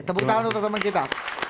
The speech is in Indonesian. tepuk tangan untuk teman kita